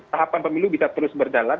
tahapan pemilu bisa terus berjalan